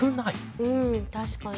うん確かに。